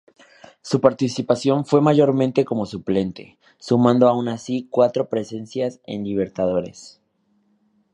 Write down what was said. Su participación fue mayormente como suplente, sumando aun así cuatro presencias en Libertadores.